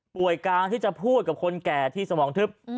กลางที่จะพูดกับคนแก่ที่สมองทึบ